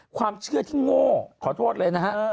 ความเชื่อที่โง่ขอโทษเลยนะฮะ